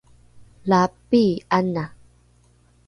la pii’ana!